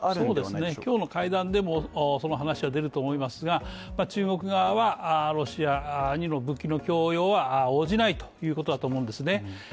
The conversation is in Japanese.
そうですね、今日の会談でもその話は出ると思いますが中国側は、ロシアに武器の供与は応じないということだと思うんですね。